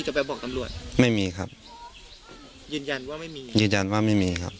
จะไปบอกตำรวจไม่มีครับยืนยันว่าไม่มียืนยันว่าไม่มีครับ